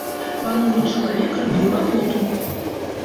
Пануры чалавек любіў работу!